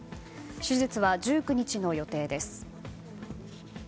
手術は、１９日の予定です。